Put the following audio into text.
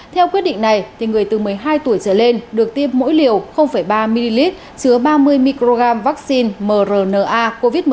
theo quyết định này người từ một mươi hai tuổi trở lên được tiêm mỗi liều ba ml chứa ba mươi microgram vaccine mrna covid một mươi chín